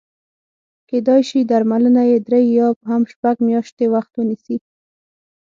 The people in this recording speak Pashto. کېدای شي درملنه یې درې یا هم شپږ میاشتې وخت ونیسي.